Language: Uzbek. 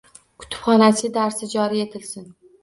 Kutubxonachi darsi joriy etilsin.